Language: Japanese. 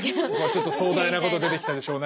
ちょっと壮大なこと出てきたでしょう。